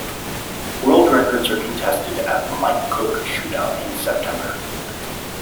World records are contested at the Mike Cook ShootOut in September.